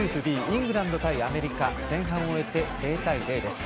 イングランド対アメリカ前半を終えて０対０です。